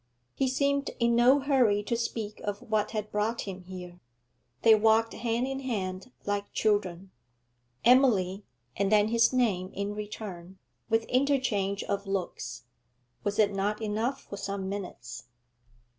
He seemed in no hurry to speak of what had brought him here; they walked hand in hand, like children. 'Emily' and then his name in return, with interchange of looks; was it not enough for some minutes?